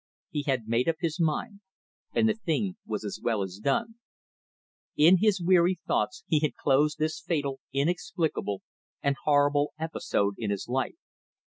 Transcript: He had made up his mind, and the thing was as well as done. In his weary thoughts he had closed this fatal, inexplicable, and horrible episode in his life.